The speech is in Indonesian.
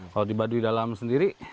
kalau di baduy dalam sendiri